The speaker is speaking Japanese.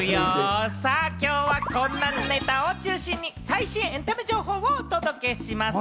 きょうはこんなネタを中心に最新エンタメ情報をお届けします。